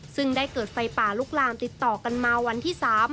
ซึ่งได้เกิดไฟป่าลุกลามติดต่อกันมาวันที่๓